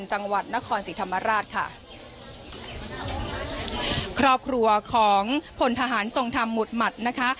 จังหวัดนครศรีธรรมราชค่ะครอบครัวของพลทหารทรงธรรมหุดหมัดนะคะ